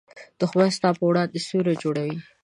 دښمن ستا پر وړاندې سیوری جوړوي